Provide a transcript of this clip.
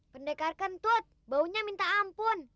pendekar kentut baunya minta ampun